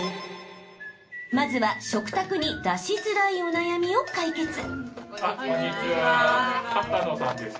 まずは、食卓に出しづらいお悩みを解決。